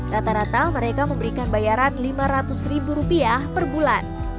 rata rata mereka memberikan bayaran lima ratus ribu rupiah per bulan